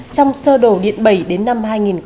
trong sơ đồ điện bảy đến năm hai nghìn hai mươi